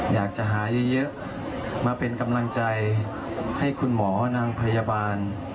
อยากจะหาเยอะมาเป็นกำลังใจให้คุณหมอนางพยาบาล